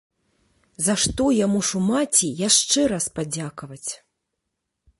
За што я мушу маці яшчэ раз падзякаваць.